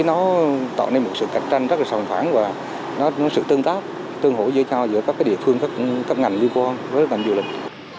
nó tạo nên một sự cạnh tranh rất là sòng khoảng và nó có sự tương tác tương hổ giữa nhau giữa các cái địa phương các ngành liên quan với các ngành du lịch